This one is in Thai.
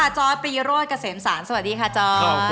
จอร์ดปีโรธเกษมศาลสวัสดีค่ะจอร์ด